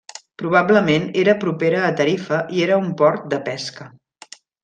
Probablement era propera a Tarifa i era un port de pesca.